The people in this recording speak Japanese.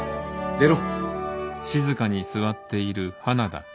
出ろ。